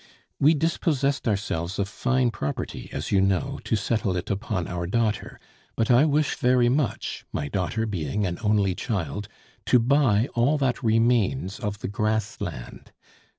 We dispossessed ourselves of fine property, as you know, to settle it upon our daughter; but I wish very much, my daughter being an only child, to buy all that remains of the grass land.